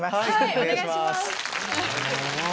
お願いします。